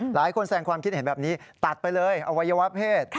แสดงความคิดเห็นแบบนี้ตัดไปเลยอวัยวะเพศ